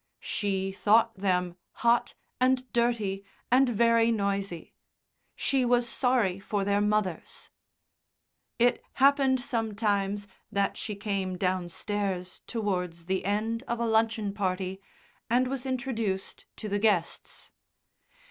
She thought them hot and dirty and very noisy. She was sorry for their mothers. It happened sometimes that she came downstairs, towards the end of a luncheon party, and was introduced to the guests.